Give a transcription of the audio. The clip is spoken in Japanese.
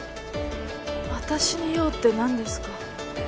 私に用って何ですか？